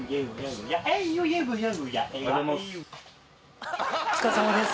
お疲れさまです。